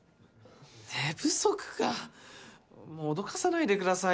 寝不足かもう脅かさないでくださいよ。